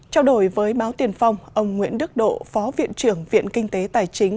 trao đổi với báo tiền phong ông nguyễn đức độ phó viện trưởng viện kinh tế tài chính